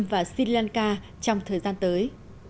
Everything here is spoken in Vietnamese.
và sri lanka trong thời gian tới